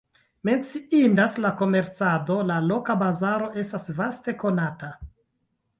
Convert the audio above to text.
Menciindas la komercado, la loka bazaro estas vaste konata.